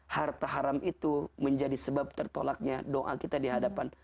harta haram itu menjadi sebab tertolaknya doa kita dihadapan